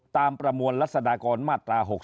ประมวลรัศดากรมาตรา๖๔